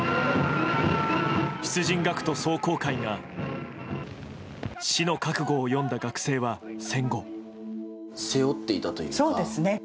出陣学徒壮行会が死の覚悟を読んだ学生は、戦後。